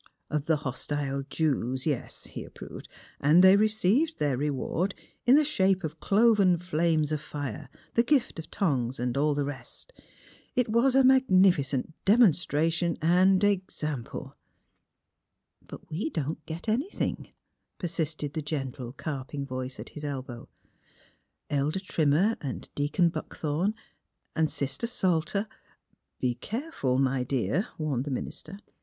'' Of the hostile Jews; yes," he approved, '' and they received their reward in the shape of cloven flames of fire, the gift of tongues, and all the rest. It was a magnificent demonstration and — ah — ex ample." '' But we don't get anything," persisted the gentle, carping voice at his elbow. '■' Elder Trim mer and Deacon Buckthorn and Sister Sal ter "'' Be careful, my dear," warned the minister.